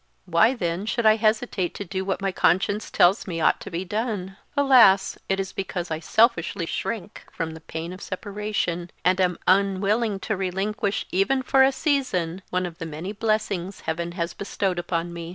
Why, then, should I hesitate to do what my conscience tells me ought to be done? Alas! it is because I selfishly shrink from the pain of separation, and am unwilling to relinquish, even for a season, one of the many blessings Heaven has bestowed upon me."